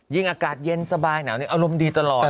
อากาศเย็นสบายหนาวอารมณ์ดีตลอด